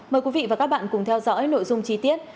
mời quý vị và các bạn cùng theo dõi nội dung chi tiết